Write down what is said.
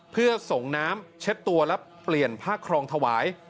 เพื่อส่งน้ำเช็ดตัวและเปลี่ยนผ้าครองถวาย